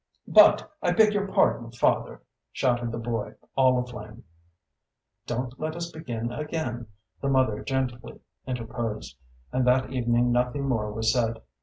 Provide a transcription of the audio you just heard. "But I beg your pardon, father!" shouted the boy, all aflame. "Don't let us begin again," the mother gently interposed; and that evening nothing more was said.